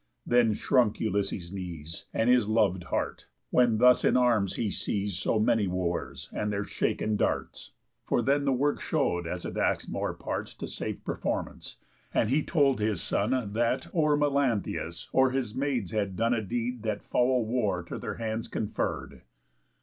Then shrunk Ulysses' knees, And his lov'd heart, when thus in arms he sees So many Wooers, and their shaken darts; For then the work show'd as it ask'd more parts To safe performance, and he told his son That or Melanthius or his maids had done A deed that foul war to their hands conferr'd.